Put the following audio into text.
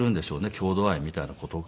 郷土愛みたいな事が。